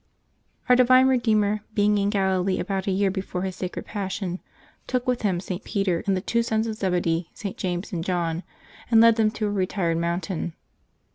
OUR divine Eedeemer, being in Galilee about a year before His sacred Passion, took with Him St. Peter and the two sons of Zebedee, Sts. James and John, and led them to a retired mountain.